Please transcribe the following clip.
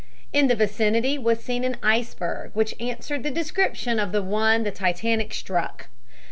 In the vicinity was seen an iceberg which answered the description of the one the Titanic struck.